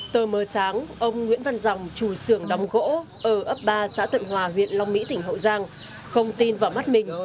tờ mờ sáng ông nguyễn văn dòng chủ xưởng đóng gỗ ở ấp ba xã tận hòa huyện long mỹ tỉnh hậu giang không tin vào mắt mình